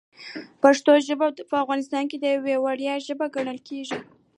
پښتو ژبه په افغانستان کې یوه ویاړلې ژبه ګڼل کېږي.